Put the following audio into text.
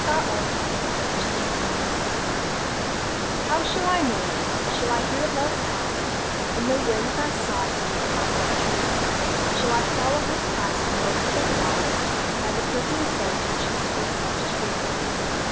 The Coming of Love HOW shall I know? Shall I hear Love pass In the wind that sighs through the poplar tree? Shall I follow his passing over the grass By the prisoned scents which his footsteps free?